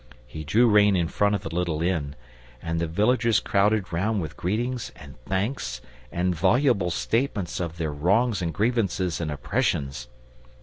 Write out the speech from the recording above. He drew rein in front of the little inn, and the villagers crowded round with greetings and thanks and voluble statements of their wrongs and grievances and oppressions.